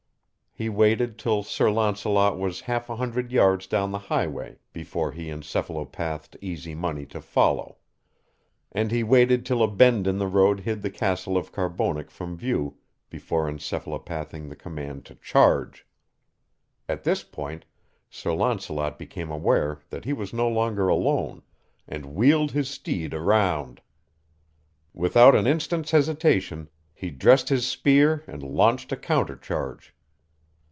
He waited till Sir Launcelot was half a hundred yards down the highway before he encephalopathed Easy Money to follow, and he waited till a bend in the road hid the castle of Carbonek from view before encephalopathing the command to charge. At this point, Sir Launcelot became aware that he was no longer alone, and wheeled his steed around. Without an instant's hesitation, he dressed his spear and launched a counter charge.